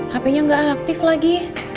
hape nya gak aktif lagi